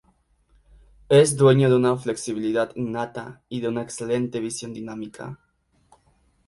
Es dueño de una flexibilidad innata y de una excelente visión dinámica.